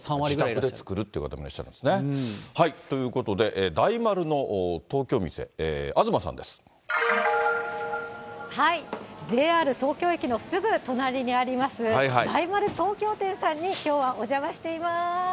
自宅で作るっていう方もいる、ということで、大丸の東京店、東ＪＲ東京駅のすぐ隣にあります、大丸東京店さんにきょうはお邪魔しています。